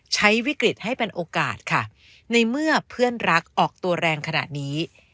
ใช้วิกฤตให้เป็นโอกาสค่ะในเมื่อเพื่อนรักออกตัวแรงขนาดนี้